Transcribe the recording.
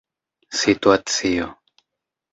situacio